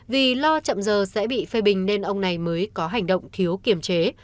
vì lo chậm giờ sẽ bị phê bình nên ông này mới có hành động thiếu kiểm chế